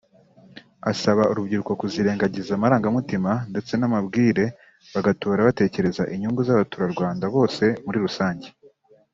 asaba urubyiruko kuzirengagiza amarangamutima ndetse n’amabwire bagatora batekereza inyungu z’abaturwanda bose muri rusange